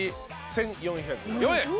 １，４０４円。